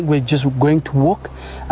trời ơi nhìn kìa